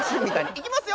いきますよ